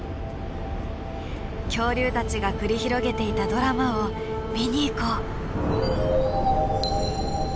恐竜たちが繰り広げていたドラマを見に行こう。